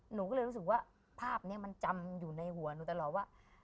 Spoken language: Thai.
หนูก็เลยรู้สึกว่าภาพนี้มันจำอยู่ในหัวหนูตลอดว่า